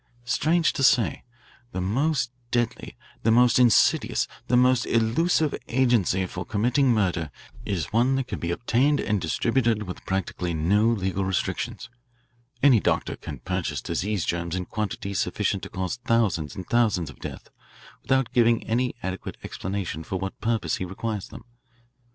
"Strange to say, the most deadly, the most insidious, the most elusive agency for committing murder is one that can be obtained and distributed with practically no legal restrictions. Any doctor can purchase disease germs in quantities sufficient to cause thousands and thousands of deaths without giving any adequate explanation for what purpose he requires them.